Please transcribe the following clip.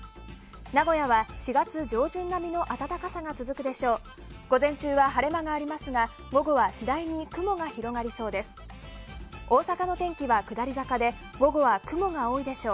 名古屋は４月上旬並みの暖かさが続くでしょう。